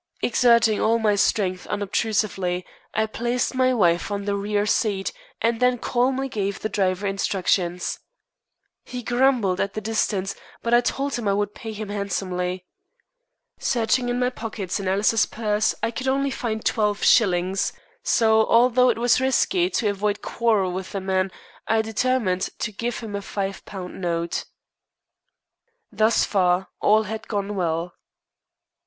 Exerting all my strength unobtrusively, I placed my wife on the rear seat, and then calmly gave the driver instructions. He grumbled at the distance, but I told him I would pay him handsomely. Searching in my pockets and Alice's purse, I could only find twelve shillings, so, although it was risky, to avoid a quarrel with the man, I determined to give him a five pound note. Thus far, all had gone well.